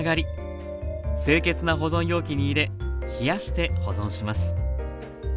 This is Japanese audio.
清潔な保存容器に入れ冷やして保存します